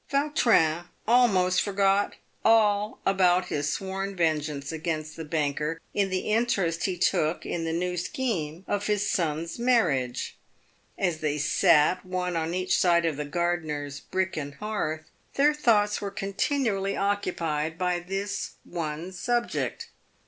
Vautrin almost forgot all about his sworn vengeance against the PAYED WITH GOLD. 357 banker in the interest he took in the new scheme of his son's mar riage. As they sat one on each side of the gardener's bricken hearth, their thoughts were continually occupied by this one subject.